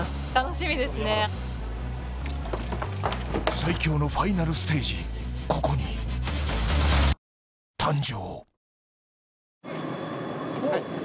最強のファイナルステージ、ここに誕生。